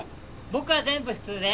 僕は全部普通で。